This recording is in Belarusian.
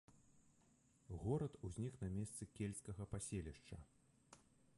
Горад узнік на месцы кельцкага паселішча.